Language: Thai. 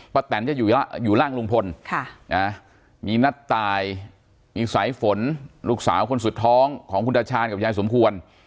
แตนจะอยู่ร่างลุงพลมีนัดตายมีสายฝนลูกสาวคนสุดท้องของคุณตาชาญกับยายสมควร